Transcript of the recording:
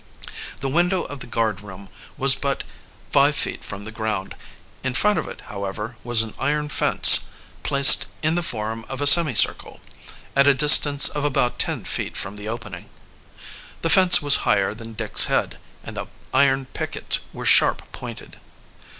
The window of the guardroom was but five feet from the ground. In front of it, however, was an iron fence, placed in the form of a semicircle, at a distance of about ten feet from the opening. The fence was higher than Dick's head, and the iron pickets were sharp pointed.